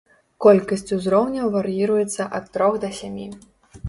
Колькасць узроўняў вар'іруецца ад трох да сямі.